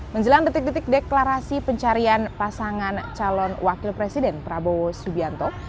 menjelang detik detik deklarasi pencarian pasangan calon wakil presiden prabowo subianto